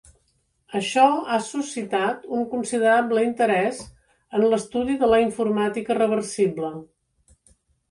Això ha suscitat un considerable interès en l'estudi de la informàtica reversible.